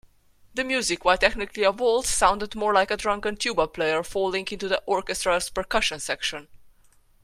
The music, while technically a waltz, sounded more like a drunken tuba player falling into the orchestra's percussion section.